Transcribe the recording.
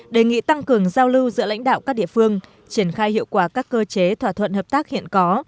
đề nghị tăng cường giao lưu giữa lãnh đạo các địa phương triển khai hiệu quả các cơ chế thỏa thuận hợp tác hiện có